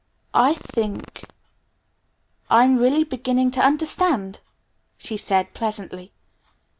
"I think I'm really beginning to understand," she said pleasantly.